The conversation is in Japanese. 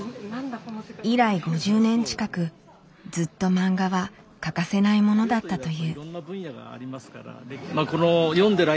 以来５０年近くずっとマンガは欠かせないものだったという。